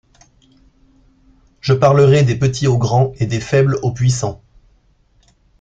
Je parlerai des petits aux grands et des faibles aux puissants.